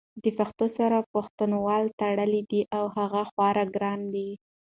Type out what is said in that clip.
د پښتو سره پښتنواله تړلې ده او هغه خورا ګرانه ده!